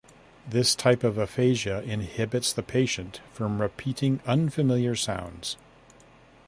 This type of aphasia inhibits the patient from repeating unfamiliar sounds.